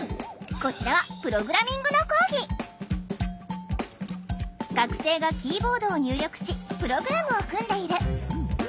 こちらは学生がキーボードを入力しプログラムを組んでいる。